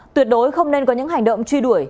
tuyệt đối không nên có những hành động truy đuổi